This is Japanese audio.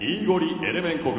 ・エレメンコ組